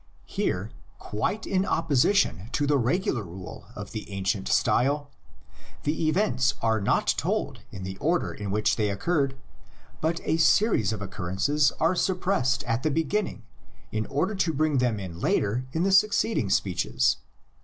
Here, quite in oppo sition to the regular rule of ancient style, the events are not told in the order in which they occurred, but a series of occurrences are suppressed at the begin ning in order to bring them in later in the succeed ing speeches.